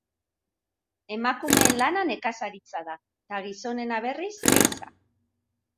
Emakumeen lana nekazaritza da eta gizonena berriz ehiza.